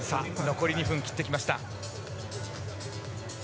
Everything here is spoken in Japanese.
残り２分を切ってきました。